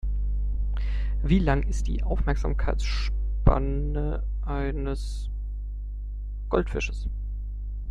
Wie lang ist die Aufmerksamkeitsspanne eines Goldfisches?